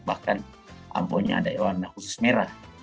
bahkan amponya ada warna khusus merah